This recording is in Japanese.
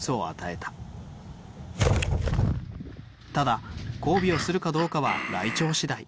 ただ交尾をするかどうかはライチョウ次第。